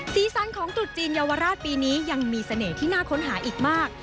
สีสันของตรุษจีนเยาวราชปีนี้ยังมีเสน่ห์ที่น่าค้นหาอีกมาก